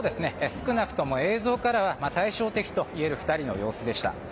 少なくとも映像からは対照的といえる２人の様子でした。